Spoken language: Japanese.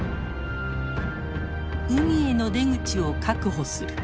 海への出口を確保する。